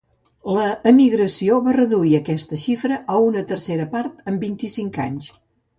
L'emigració va reduir aquesta xifra a una tercera part en vint-i-cinc anys.